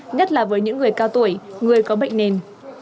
nhất là với những người cao tuổi người có bệnh nền